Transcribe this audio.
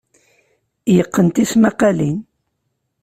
Yeqqen tismaqqalin.